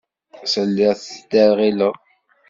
Telliḍ tettderɣileḍ.